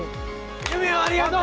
夢をありがとう！